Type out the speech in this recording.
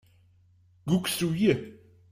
Guckst du hier!